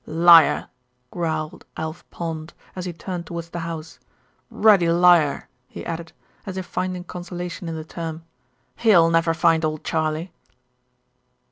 "Liar!" growled Alf Pond, as he turned towards the house. "Ruddy liar!" he added, as if finding consolation in the term. "He'll never find old Charley."